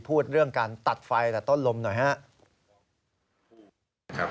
พูดเรื่องการตัดไฟแต่ต้นลมหน่อยครับ